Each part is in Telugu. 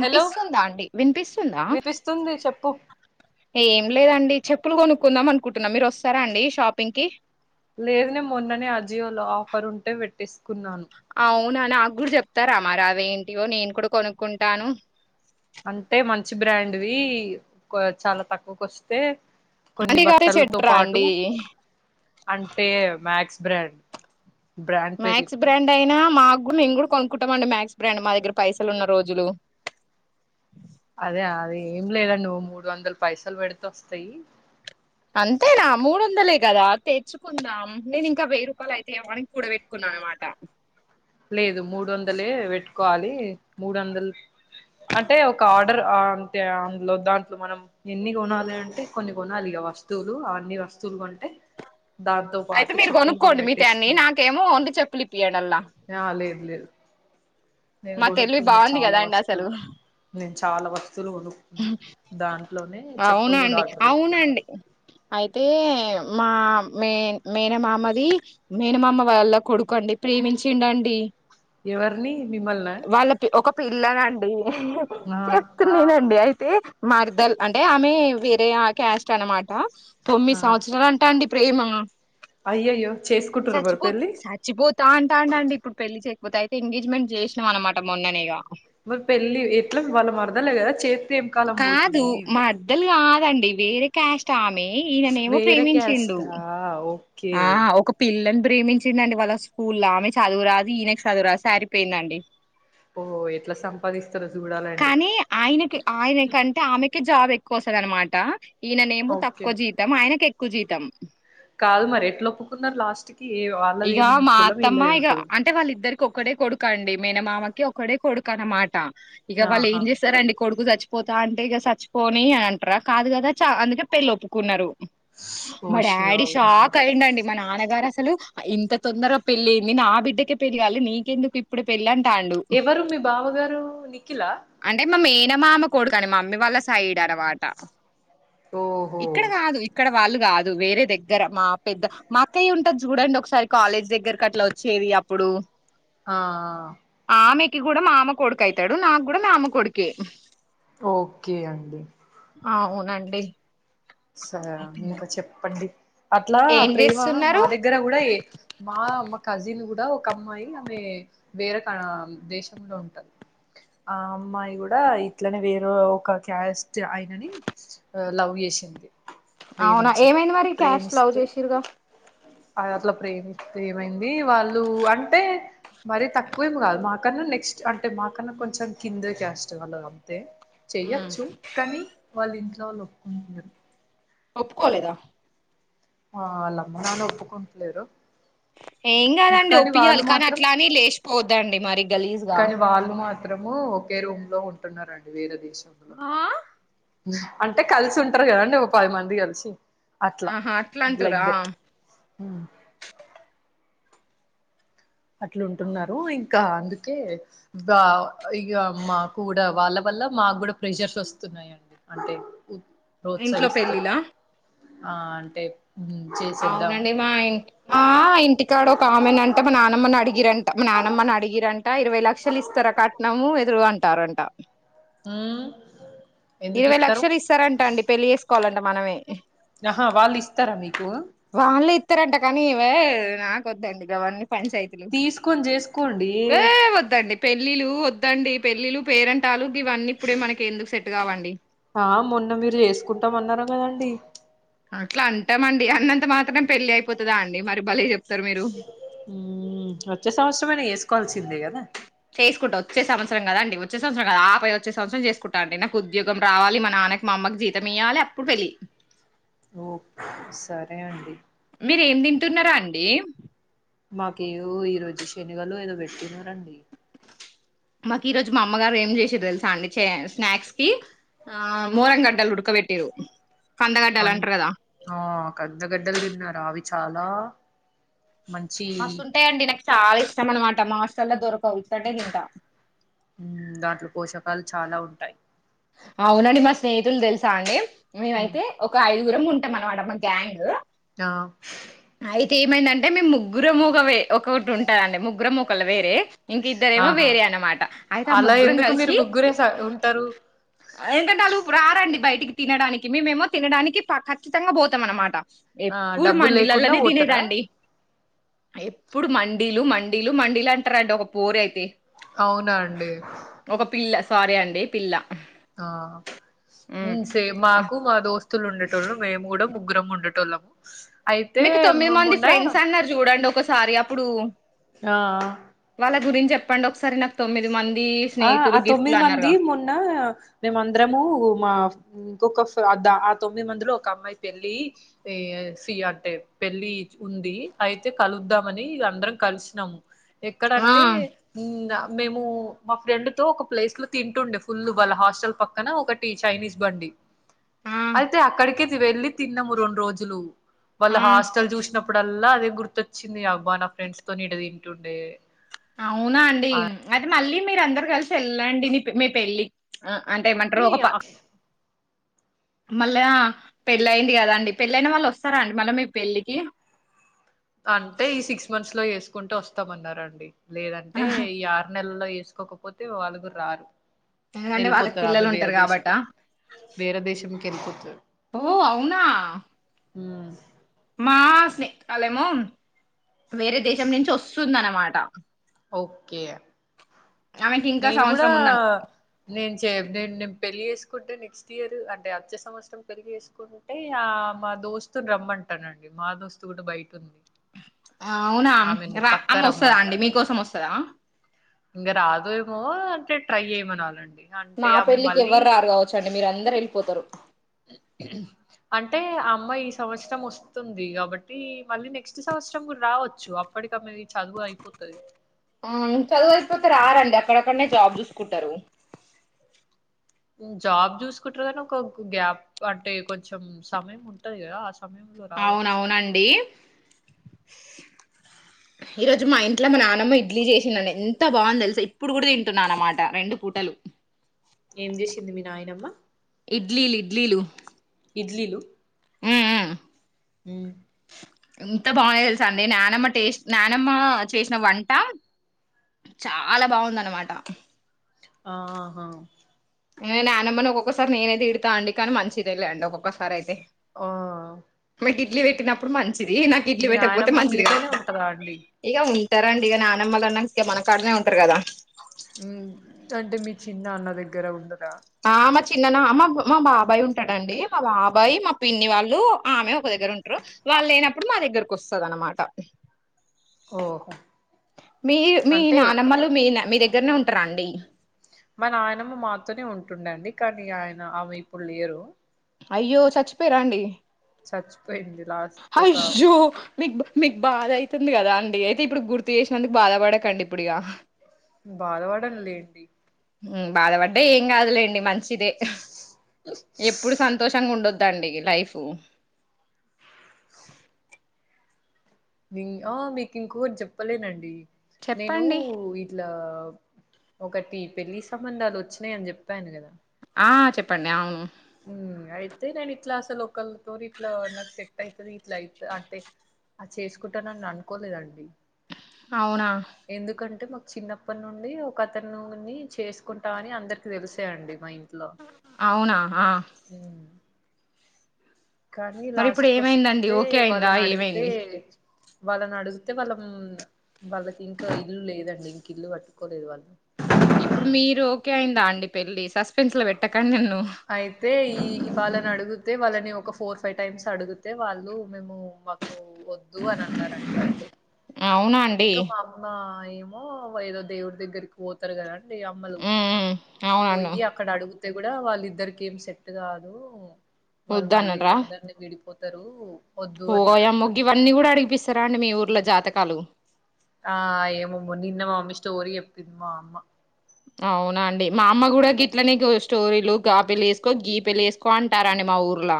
హలో అండి వినిపిస్తుందా వినిపిస్తుంది చెప్పు ఏం లేదండి చెప్పులు కొనుక్కుందాం అనుకుంటున్నా మీరు వస్తారా అండి షాపింగ్ కి లేదు నేను మొన్ననే అ జియోలో ఆఫర్ ఉంటే పెట్టేసుకున్నాను నాగూడ చెప్తారా మరీ అవేంటియో నేను కూడా కొనుక్కుంటాను అంటే మంచి బ్రాండ్ వి కో చాలా తక్కువకొస్తే కొన్ని మంచిగానే బట్టలతో చెట్రా పాటు అండి అంటే మ్యాక్స్ బ్రాండ్ బ్రాండ్ పేరు మక్స్ చెప్తున్నా బ్రాండ్ అయినా మాకు మేము కూడా కొనుక్కుంటాం అండి మ్యాక్సి బ్రాండ్ మా దగ్గర పైసలు ఉన్న రోజులు అదే అద ఏం లేదండి ఓ మూడు వందలు పైసలు పెడితే వస్తాయి అంతేనా మూడు వందలే కదా తెచ్చుకుందాం నేను ఇంకా వెయ్యి రూపాయలు అయితే ఏమో అని కూడా పెట్టుకున్నా అనమాట లేదు మూడు వందలే పెట్టుకోవాలి మూడు వందలు అంటే ఒక ఆర్డర్ అంతే అందులో దాంట్లో మనం ఎన్ని కొనాలి అంటే కొన్ని కొనాలిగా వస్తువులు అవన్నీ వస్తువులు కొం అయితే మీరు కూడా కొనుక్కోండి మిగతాయాన్ని నాకేమో ఓన్లీ చెప్పులిప్పియ్యండి యా లేదు లేదు నేను మా తెలివి కొనుక్కున్నా బాగుంది చాలా కదాండి అసలు వస్తువులు నేను చాలా వస్తువులు కోనుక్కున్నా దాంట్లోనే చెప్పులు అవునా కూడా అండి ఆర్డర్ పెట్టుకున్నా అవునండి అయితే మా మే మేనమామది మేనమామ వాల్ల కొడుకండి ప్రేమించిండండి ఎవరిని మిమ్ములన పిల్లగా అంటుంది చెప్తుంది ది అయితే మర్దల్ అంటే ఆమె వేరే ఆ క్యాస్ట్ అనమాట తొమ్మిది ఆ సంవత్సరాలు అంటా అండి ప్రేమ అయ్యయ్యో చేసుకుంటుర్రా మరి సచ్చిపోతు పెళ్ళి సచ్చిపోతా అంటా అంటండి ఇప్పుడు పెళ్లి చే పోతే అయితే ఎంగేజ్ మెంట్ చేసినాం అనమాట మొన్ననే ఇగ మరి పెళ్లి ఎట్లా వాళ్ మర్ కాదు మర్దల్ కాదండి వేరే క్యాస్ట్ ఆ మె ఈయననేమో ప్రేమించిండు కే ఆ ఒక పిల్లని ప్రేమించిండండి వాళ్ళ స్కూల్లో ఆమె చదువురాదు ఈయనెకి చదువురాదు సరిపోయిందండి ఓ ఎట్లా సంపాదిస్తారో చూడాలండి కానీ మరి ఆయనకి ఆయనకంటే ఆమె కి జాబ్ ఎక్కువ వస్తది అనమాట ఈయననేమో ఓకే తక్కువ జీతం ఆయనకి ఎక్కువ జీతం కాదు మరి ఎట్ల ఒప్పుకున్నారు లాస్ట్ కి ఏ ఇగ వాళ్ళదేం మా కులం అత్తమ్మ వీళ్ళదేం ఇగ కులం అంటే వాళ్ళిద్దరి కొక్కడే కొడుకు అండి మేన మామకి ఒక్కడే కొడుకు అనమాట ఇగ వాళ్ళు ఆహా ఏం చేస్తరుఅండి కొడుకు చచ్చిపోతా అంటే ఇగ చచ్చిపోని అని అంట్రా కాదు గదా చ అందుకే పెళ్ళి ఒప్పుకున్నారు ఓ మా శివ డాడీ అవునా షాక్ అయిండండి మా నాన్నగారు అసలు ఇంత తొందరగా పెళ్ళేంది నా బిడ్డకే పెళ్లిగాలే నీకెందుకు ఇప్పుడే పెళ్ళి అం టాండు ఎవరు మీ బావగారు నిఖిలా అంటే మా మే న మామ కొడుకని మమ్మీ వాళ్ళ సైడ్ అనమాట ఓహో ఇక్కడ కాదు ఇక్కడ వాళ్ళు కాదు వేరే దగ్గర మా పెద్ద మా అక్కయ్య ఉంటది జూడండి ఒక సారి కాలేజ్ దగ్గరకి అట్లా వచ్చేది అప్పుడు ఆ ఆహ్ ఆమెకి కూడా మామ కొడుకు అయితాడు నాక్కూడా మామ కొడుకే ఓక్కే అండి అవునండి సరే ఇంక చెప్పండి అట్లా ఏం ప్రేమ మా చేస్తున్నారు దగ్గర కూడా ఏ మామ కజిన్ కూడా ఒక అమ్మాయి ఆమె వేరే కం దేశంలో ఉంటాద్ ఆ అమ్మాయి కూడా ఇట్లనే వేరే ఒక క్యాస్ట్ ఆయనని ఆ లవ్ చేసింది. అవునా ప్రేమించింది ఏమైంది మరి క్యాస్ట్ లవ్ చేసిరుగా ఆ అట్లా ప్రేమిస్తే ఏమైంది వాళ్ళు అంటే మరీ తక్కువేం కాదు మాకన్నా నెక్స్ట్ అంటే మాకన్నా కొంచెం కింద క్యాస్ట్ వాళ్ళు అంతే చెయ్యొచ్చు కానీ వాళ్ళ ఇంట్లో వాళ్లు ఒప్పుకొనిండరు ఒప్పుకోలేదా ఆ ఆలమ్మ నాన్న ఒప్పుకుంటలేరు ఏం ఇంక కాదండి కానీ వాళ్ళు ఒప్పియాలి కానీ మాత్రం అట్లా అని లేచిపోద్దండి మరి గలీజ్గా కానీ వాళ్ళు మాత్రము ఒకే రూమ్ లో ఉంటునారండి వేరే దేశంలో ఆ అంటే కలిసి ఉంటారు కదండి ఒక పది మంది కలిసి అట్లా ఆహా అట్లా లైక్ అంటురా దట్ హుమ్ అట్లుంటున్నారు ఇంకా అందుకే ఇగ ఇక మా కూడా వాళ్ళ బత్ వల్ల మాకు కూడా ప్రెషర్స్ వస్తున్నాయండి అంటే ఇంట్లో ప్రోత్సహిస్తూ పెళ్ళిలా ఆ అంటే చేసేద్దాం అవునండి మా ఇన్ మా ఇంటికాడ ఒక ఆమెని అంటే మా నానమ్మని అడిగి అడిగిరంట మా నానమ్మని అడిగిరంట ఇరవై లక్షలు ఇస్తారా కట్నము ఎదురుగ అంటారంట హుమ్ ఇరవై లక్షలు ఇస్తారంటండి పెళ్ళి చేసుకోవాలంట మనమే అహా వాళ్లు ఇస్తర మీకు వాళ్ళు ఇస్తారంట కానీ వే నాకొద్దండి గవన్నీ పంచాయితులు తీసుకొని చేసుకోండి ఏ వద్దండి పెళ్ళిళ్ళ వద్దండి పెళ్ళిలు పేరెంటాలు ఆ మొన్న మీరు చేసుకుంటామ అన్నారు కదండి అట్లా అంటాంమండి అన్నంత మాత్రం పెళ్లి అయిపోతుందా అండి మరి బలే చె వచ్చే సంవత్సరమేనా వేసుకోవాల్సిందే కదా చేసుకుంటా వచ్చే సంవత్సరం కదాండి వచ్చే సంవత్సర కదా ఆపై వచ్చేవత్సరం చేసుకుంటండి నాకు ఉద్యోగం రావాల మ నాన్నకి మామ్మకి జీతం ఇవాలి అప్పుడు పెలి ఓకే సరే అండి ఎమ్ మాకేవో ఈ రోజు శనిగలు ఏదో పెట్టిన రండి మాకు ఈ రోజు మా అమ్మగారు ఏం చేసారు తెలుసా అండి స్నాక్స్ కి ఆ మోరంగ గడ్డల్ హుడ్కబెట్టిు అ ఆ పెద్దగడ్డలు తిన్నారా అవి చాలా మంచి మస్తుంటాయండి నాకు చాలా ఇష్టం అనమాట మహాస్తల్లా దొరకదు దాంట్లో పోషకాలు చాలా ఉంటాయి అవునండి మా స్నేహితులు తెలుసా అండి మ్మ్ మేమైతే ఒక ఐదు దూరం ఉంటామ అనమట మా గ్యాంగ్ ఆ అయితే ఏమైందంటే మీ ముగ్గురు మూగవే ఒక్కొక్కటి ఉంటదండి ముగ్గురం ఒకళ వేరే ఇంకా ఇద్దరేమో ఆహా వేరే అనమాట అయితే ఆ అలా ముగ్గురం ఎందుకు మీరు కలిసి ముగ్గురే స ఉంటారు ఏంటంటే వాలు రండి బయటికి తినడానికి మేముేమో తినడానికి ఖచ్చితంగా పోతాం అనమాట ఆ ఎప్పుూడు డబ్బులు లేకుండా మడిలలోనే పోతారా తినేదాండి ఎప్పుడు మండీలు మండీలు మండీలు అంటారండి ఒక పోరు అయితే అవునా అండి ఒక పిల్ల సారీ అండి పిల్ల ఆ ఉమ్. సేమాకు మా దోస్త తులు ఉండేటళ్ళు మేము కూడా ముగ్గురం ఉండట వాళ్ళము మీకు తొమ్మిది మంది ఫ్రెండ్స్ అన్నారు చూడండి ఒకసారి అప్పుడు ఆ పండొ ఒకసారి నా ఆ ఆ తొమ్మిది మంది అన్నారుగా మొన్న మేమందరము మా ఇంకొక ఆ తొమ్మిది మందిలో ఒక అమ్మాయి పెళ్లి సి అంటే పెళ్లి ఉంది అయితే కలుద్దామని అందరం కలిసినాము ఆ ఎక్కడంటే మేము మా ఫ్రెండ్ తో ఒక ప్లేస్ లో తింటుండే ఫుల్ వాళ్ళ హాస్టల్ పక్కన ఒకటి చైనీస్ బండి ఆ అయితే అక్కడికే వెళ్ళి తిన్నాము రెండు రోజులు వాళ్ళ ఆ హాస్టల్ చూసినప్పుడు అల్లా అదే గుర్తొచ్చింది అక్బా నా ఫ్రెండ్స్ తో నటు తింటుండే అవునా అండి అయితే మళ్ళీ మీర అందరు కలిసి వెళ్ళండి నీ మీ పెళ్ళి అంటేమంటారు ఒక పా అని మళ్ళా పెళ్ళయింది కదాండి పెళ్ళయినా మళ్ళా వస్తారా అండి మళ్ళా మీ పెళ్ళికి అంటే ఈ సిక్స్ మంత్స్ లో చెస్కుంటే వస్తామన్నారండి లేదంటే ఈ ఆరు నెలల్లో వేసుకోకపోతే వాళ్ళగురు రారు ఎందుకంటే వాళ్ళకి వెళ్ళిపోతారు పిల్లలు ఆమె వేరే ఉంటారు దేశం కాబట్ట వేరే దేశంకి వెళ్ళిపోతుంది ఓ అవునా మా స్నేహి కాలేమో వేరే దేశం నుంచి వస్తుంద అనమాట ఓకే ఆమెకి ఇంకా నేను కూడా సంవత్సరం ఉంద నేను నేను పెళ్లి చేేసుకుంటే నెక్స్ట్ ఇయర్ అంటే అచ్చ సంవత్సరం పెళ్లి చేేసుకుంటే ఆ మా మా దోస్తు రమ్మంటానండి మా దోస్తు కూడా బయట ఉంది ఆ అవునా ఆమెని రా పక్క అమ్మ వస్తదా ఆంటీ రమ్మంటారు మీకోసం వస్తదా ఇంగ రాదు ఏమో అంటే ట్రై చేయ్యమనాలండి అంటే నా ఆమె పెళ్ళికి మళ్ళీ ఎవరు రారు కావచ్చండి మీరు అందరు వెళ్ళిపోతారు అంటే అమ అమ్మ ఈ సంవత్సరం వస్తుంది కాబట్టి మళ్ళీ నెక్స్ట్ సంవత్సరం కూడా రావచ్చు అప్పటికనది చదువు అయిపోతది పక రారండి అక్కడక్కడనే జాబ్ చూసుకుంటారు జాబ్ చూసుకుంటారు కానీ ఒక గ్యాప్ అంటే కొంచెం సమయం ఉంటది కదా సమయంలో రావచ్చు అవునవునండి ఈ రోజు మా ఇంట్లో మా నాన్నమ్మ ఇడ్లీ చేసిందండి ఎంత బాగుంది తెలుసా ఇప్పుడు కూడా తింటున్నా అనమాట రెండు పూటలు ఏం చేసింది మీ నాయనమ్మ ఇడ్లీలు ఇడ్లీలు ఇడ్లీలు హ్మ్ హ్మ్ ఉమ్ ఇంత బాగునే తెలుసా అండి నానమ్మ టేస్ట్ నానమ్మ చేసిన వంట చాలా బాగుంది అన్నమాట ఆహాహా నానమ్మని ఒక్కొక్కసారి నేనై తిడతా అండి కానీ మంచిదేలేండి ఒక్కొక్కసారి అయితే ఆ నాకి ఇడ్లీ పెట్టినప్పుడు మంచిది నాకి ఇడ్లీ మీ పెట్టకపోతే నాయనమ్మ మంచిది కాదు మీతోనే ఉంటదా అండి ఇక టరు అండి ఇక నానమ్మళ్ళ అన్నాక మన కాడనే ఉంటారు కదా అంటే మీ చిన్నన్న దగ్గర ఉండ ఆమ చిన్న న మా మా బాబాయ్ ఉంటడుండి మా బాబాయ్ మా పిన్ని వాళ్ళు ఆ ఆమె ఒక దగ్గర ఉంటారు వాళ్ళు లేనప్పుడు మా దగ్గరకు వస్తది అన్నమాట ఓహో మీ మీ అంటే నానమ్మలు మీన మీ దగ్గర దగ్గరనే ఉంటారా అండి మ నాయనమ్మ మాతోనే ఉంటుండే అండి కానీ ఆయన ఆమె ఇప్పుడు లేరు అయ్యో చచ్చిపోయరా అండి చచ్చిపోయింది లాస్ట్ ఒక అయ్యో మీకు మీకు బాధ అయితుంది కదా అండి అయితే ఇప్పుడు గుర్తు చేసినందుకు బాధ పడకండి ఇప్పుడు ఇగ బాధపడను లేండి హ్మ్ బాధపడ్డ ఏం కాదులేండి మంచిదే ఎప్పుడు సంతోషంగా ఉండొద్దు దండి లైఫ్ ఆ మీకు ఇంకొటి చెప్పలేదండి నేను చెప్పండి ఇట్లా ఒకటి పెళ్ళి సంబంధాలు వచ్చినాయని చెప్పాను కదా ఆ చెప్పండి అవును అయితే నేను ఇట్లా అసలు ఓకల్ తొని ఇట్ల నాకు సెక్ట్ అయితది ఇట్ల అయితది అంటే ఆ చేసుకుంటానని అనుకోలేదండి అవునా ఎందుకంటే మాకు చిన్నప్పటి నుండి ఒకతనుని చేసుకుంటని అందరికి తెలిసే అండి మా ఇం అవునా ఆ ఉమ్. కానీ మరి ఇప్పుడు లాస్ట్ కి ఏమైందండి వస్తే ఓకే అయిందా వాళ్ళని అడిగితే ఏమైంది వాళ్ళని అడిగితే వాళ్ళం వాళ్ళకి ఇంకా ఇల్లు లేదండి ఇంక ఇల్లు కట్టుకోలేదు వాళ్ళు ఇప్పుడు మీరు ఓకే అయిందా అండి పెళ్లి సస్పెన్స్ లొ పెట్టకండి నా అయితే ఈ వాళ్లని అడుగు తే వాళ్ళని ఒక ఫోర్ ఫైవ్ టైమ్స్ అడుగుతె వాళ్ళు మేమూ మాకూ ఒద్దూ అని అన్నారంట అండి అవునా అండి ఇంక మా అమ్మా ఏమో ఏదో దేవుడి దెగ్గరికి పోతరు కదాండ్ దె అమ్మలు ఉమ్ అవునన్ను పొయ్యి అక్కడ అడుగుతె కూడా వాళ్లిద్ ఇద్దరికి ఏం సెట్ కాదూ వాళ్ మళ్ళీ వద్దన్నరా తొందర్నె విడిపొతరూ ఓయమ్మో గివన్నీ గూడ అడిగి పిస్సరా అండి మీ ఊర్లొ జాతకాలు ఆ ఏమొమ్మో నిన్న మామి స్టోరీ చెప్పింది మా అమ్మ అండి మా అమ్మ కూడ గిట్లనె గో స్టోరీలు ఆ పెళ్లి చేసుకో అంటారండి మా మా ఊర్ల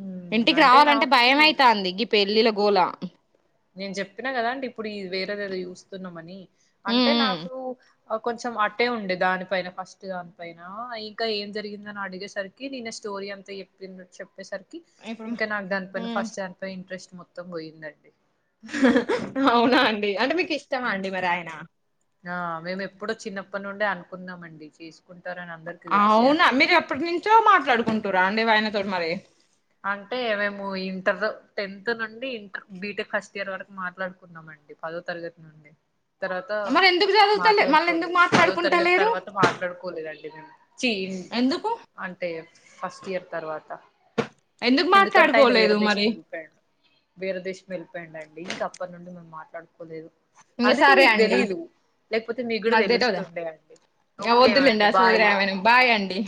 మ్మ్ ఇంటికి అంటే రావాలంటె నాకు భయ్మై తాంది గి పెళ్ళిళ్ల గోల నేన్ చెప్పినా కదా అండి ఇప్పుడు వేరేదేదొ చూస్తున్నామనీ ఉమ్ అంటె ఉమ్. నాకూ అ కొంచెం మాటే ఉండే దాని పైన ఫస్ట్ దాని పైనా ఇంక ఏం జరిగిందని అడిగేసరికి నేనె స్టోరీ అంత చెప్పింది చెప్పేసరికి ఇప్పుడు ఇంక నాక్ దాన్ పైన ఉమ్. ఫస్ట్ దానిపై ఇంట్రెస్ట్ మొత్తం పోయిందండి అవునా అండి అంటె మీకిష్టమా ఉమ్. అండి మరి ఆయన ఆ మేమెప్పుడొ చిన్నప్పట్ నుండి అన్కున్నామండి చేసు అవ్ నా మీరు ఎప్పట్ నుంచో మాట్లాడుకుంటురా అండి ఆయనతోట్ మరి అంటే మేము ఇంటరొ టెన్త్ నుండి ఇంటర్ బీటెక్ ఫస్ట్ ఇయర్ వరకు మాట్లాడుకున్నామండి డి పదో తరగతి నున్ తర్వాత మరి ఎందుకు చదువుతలే మళ్ళీ ఎందుకు మాట్లాడుకోలేదు పదో తరగతి మాట్లాడుకుంటలేరు తర్వాత మాట్లాడుకోలేదు అండి ఛీజ్ ఎందుకు అంటే ఫస్ట్ ఇయర్ తర్వాత ఎందుకు ఎందుకంట అయిన మాట్లాడుకోలేదు వేరే దేశం మరి ఎళ్లిపోయాడు వేరే దేశం వెళ్ళిపోయండండి ఇంక అప్పట్ నుండి మేమ్ మాట్లాడుకోలేదు ఇంక అందుకే సరే మీక్ అండి తెలీదు లేక్పోతె మీక్ కూడ మాకు తెలవదా తెలుస్తుండే అండి ఒకే వద్దులేండి అండి ఆ సోది బాయ్ రామాయణం బాయ్ అండి